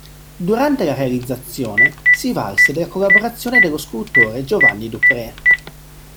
Durante la realizzazione si valse della collaborazione dello scultore Giovanni Duprè.